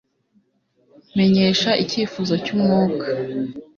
menyesha icyifuzo cy'umwuka